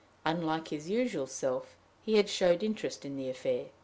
Unlike his usual self, he had showed interest in the affair.